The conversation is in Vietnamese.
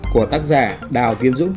của tác giả đào kiến dũng